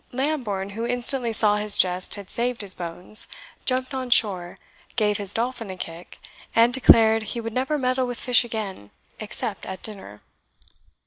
Lambourne, who instantly saw his jest had saved his bones, jumped on shore, gave his dolphin a kick, and declared he would never meddle with fish again, except at dinner.